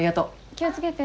気を付けて。